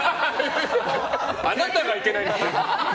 あなたがいけないんですよ！